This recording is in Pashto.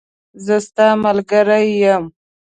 زه ستاملګری یم